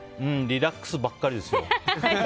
リラックスばっかりです。